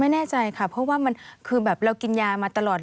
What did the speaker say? ไม่แน่ใจค่ะเพราะว่ามันคือแบบเรากินยามาตลอด